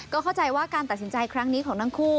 ก็เข้าใจว่าการตัดสินใจครั้งนี้ของทั้งคู่